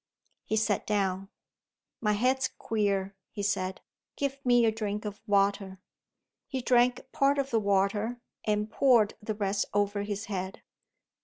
He sat down. "My head's queer," he said. "Give me a drink of water." He drank part of the water, and poured the rest over his head.